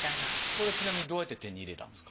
これちなみにどうやって手に入れたんですか？